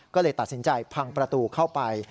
ก็เลยตัดสินใจพังประตูเข้าไป